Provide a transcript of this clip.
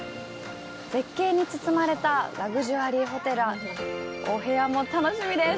絶景に包まれたラグジュアリーホテル、お部屋も楽しみです。